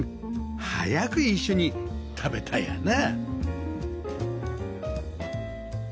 早く一緒に食べたいよな